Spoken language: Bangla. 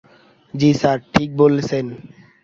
জ্বি স্যার, ঠিক বলছেন।